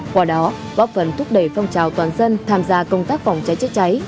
qua đó bóp phần thúc đẩy phong trào toàn dân tham gia công tác phòng cháy cháy cháy